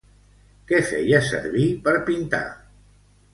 Què feia servir per pintar?